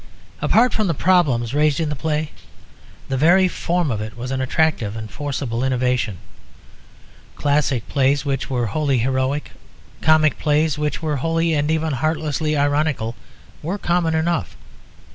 Apart from the problems raised in the play, the very form of it was an attractive and forcible innovation. Classic plays which were wholly heroic, comic plays which were wholly and even heartlessly ironical, were common enough.